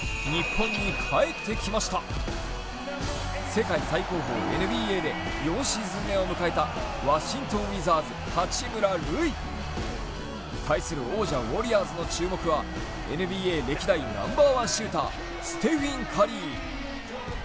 世界最高峰・ＮＢＡで４シーズン目を迎えたワシントン・ウィザーズ八村塁。対する王者・ウォリアーズの注目はＮＢＡ歴代ナンバーワンシューターステフィン・カリー。